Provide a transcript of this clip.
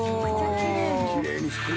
きれいにしてるな。